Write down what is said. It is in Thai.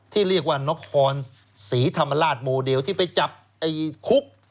ที่เรียกว่านครศรีธรรมราชโมเดลที่ไปจับคุก